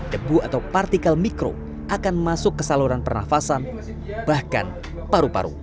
debu atau partikel mikro akan masuk ke saluran pernafasan bahkan paru paru